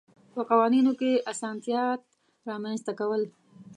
په قوانینو کې اسانتیات رامنځته کول.